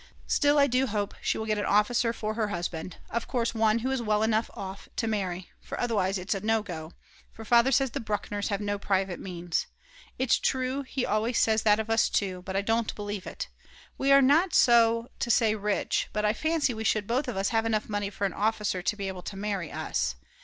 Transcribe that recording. Still, I do hope she will get an officer for her husband, of course one who is well enough off to marry, for otherwise it's no go; for Father says the Bruckners have no private means. It's true he always says that of us too, but I don't believe it; we are not so to say rich, but I fancy we should both of us have enough money for an officer to be able to marry us.